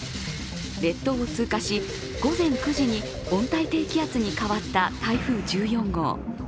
列島を通過し、午前９時に温帯低気圧に変わった台風１４号。